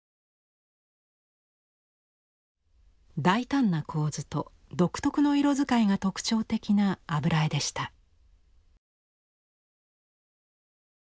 大胆な構図と独特の色使いが特徴的な油絵でした。